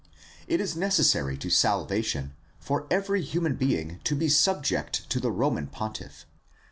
It is necessary to salvation for every human being to be subject to the Roman pontiff.